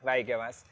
baik ya mas